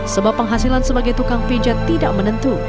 sebab penghasilan sebagai tukang pijat tidak menentu